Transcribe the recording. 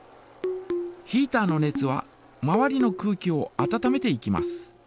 ヒータの熱は周りの空気を温めていきます。